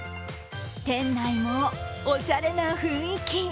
店内もおしゃれな雰囲気。